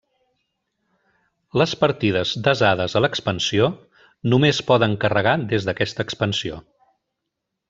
Les partides desades a l'expansió només poden carregar des d'aquesta expansió.